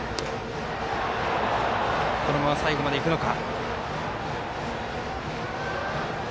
このまま最後までいくのか。